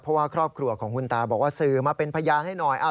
เพราะว่าครอบครัวของคุณตาบอกว่าสื่อมาเป็นพยานให้หน่อยอ่ะหลายคนมาช่วยกันฟัง